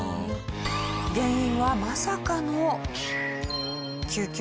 原因はまさかの。